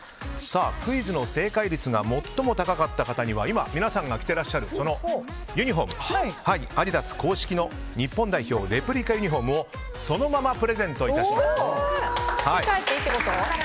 クイズの正解率が最も高かった方には今皆さんが着ていらっしゃるそのユニホームアディダス公式の日本代表レプリカユニホームを着て帰っていいってこと？